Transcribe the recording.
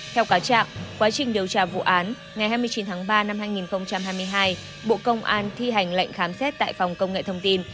theo cáo trạng quá trình điều tra vụ án ngày hai mươi chín tháng ba năm hai nghìn hai mươi hai bộ công an thi hành lệnh khám xét tại phòng công nghệ thông tin